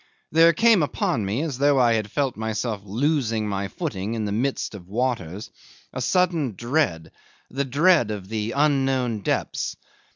There came upon me, as though I had felt myself losing my footing in the midst of waters, a sudden dread, the dread of the unknown depths.